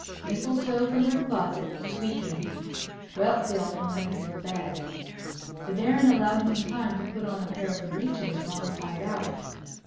Mistletoe from her closet, squeaking. Whelpdale from under his bed. The Baron allowed him time to put on a pair of breeches wrong side out.